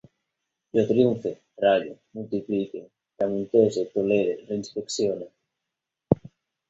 Jo trumfe, ralle, multiplique, tramuntanege, tolere, reinspeccione